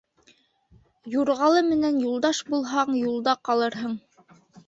Юрғалы менән юлдаш булһаң, юлда ҡалырһың.